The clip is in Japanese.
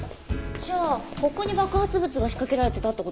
じゃあここに爆発物が仕掛けられてたって事？